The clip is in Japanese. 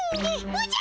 おじゃ！